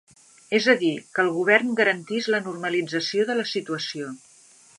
És a dir, que el govern garantís la normalització de la situació.